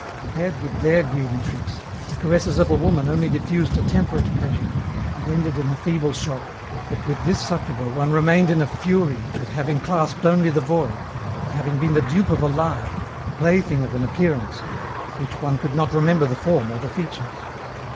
Compared with their greedy tricks, the caresses of a woman only diffused a temperate pleasure, and ended in a feeble shock, but with this Succuba one re mained in a fury at having clasped only the void, at having been the dupe of a lie, the plaything of an appearance, ot which one could not remember the form or the features.